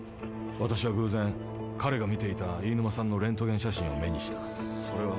私は偶然彼が見ていた飯沼さんのレントゲン写真を目にしたそれは